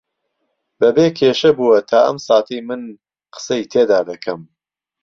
بەبێ کێشە بووە تا ئەم ساتەی من قسەی تێدا دەکەم